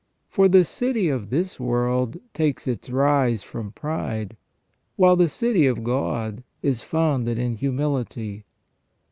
For the city of this world takes its rise from pride, whilst the city of God is founded in humility.